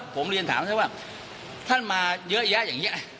ผมเรียนถามท่านว่าท่านมาเยอะแยะอย่างนี้